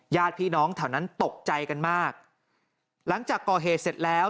ญาติพี่น้องแถวนั้นตกใจกันมากหลังจากก่อเหตุเสร็จแล้ว